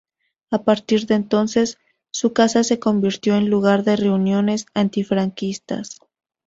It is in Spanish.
A partir de entonces su casa se convirtió en lugar de reuniones antifranquistas.